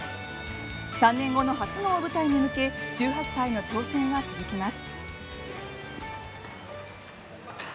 ３年後の初の大舞台に向け１８歳の挑戦は続きます。